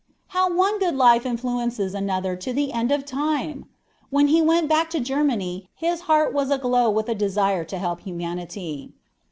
How one good life influences another to the end of time! When he went back to Germany his heart was aglow with a desire to help humanity.